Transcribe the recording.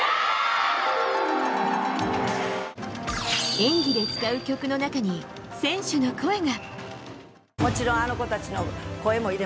演技で使う曲の中に選手の声が。